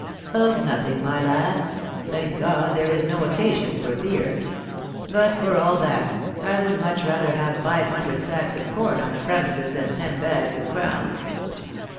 "Of nothing, my lad. Thank God, there is no occasion for fear. But, for all that, I would much rather have five hundred sacks of corn on the premises than ten bags of crowns.